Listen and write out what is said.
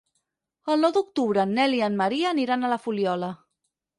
El nou d'octubre en Nel i en Maria aniran a la Fuliola.